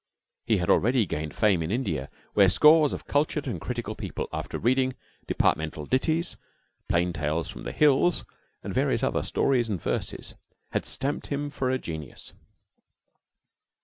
He had already gained fame in India, where scores of cultured and critical people, after reading "Departmental Ditties," "Plain Tales from the Hills," and various other stories and verses, had stamped him for a genius.